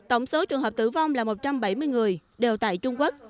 tổng số trường hợp tử vong là một trăm bảy mươi người đều tại trung quốc